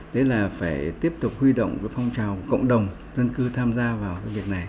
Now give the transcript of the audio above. để tiếp tục huy động phong trào cộng đồng dân cư tham gia vào việc này